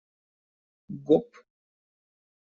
Гоп!